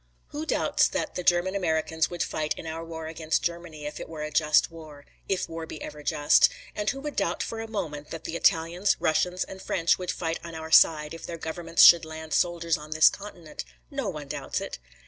Who doubts that the German Americans would fight in our war against Germany, if it were a just war if war be ever just; and who would doubt for a moment that the Italians, Russians and French would fight on our side if their governments should land soldiers on this continent? No one doubts it.